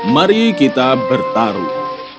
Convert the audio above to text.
mari kita bertaruh